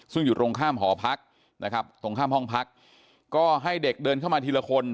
ซึ่งอยู่ตรงข้ามหอพักนะครับตรงข้ามห้องพักก็ให้เด็กเดินเข้ามาทีละคน